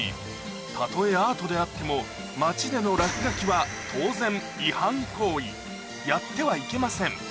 たとえアートであっても町での落書きは当然違反行為やってはいけません